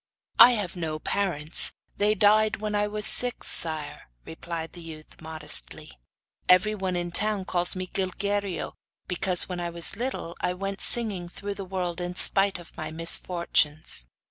'I have no parents; they died when I was six, sire,' replied the youth, modestly. 'Everyone in the town calls me Gilguerillo[FN#1], because, when I was little, I went singing through the world in spite of my misfortunes.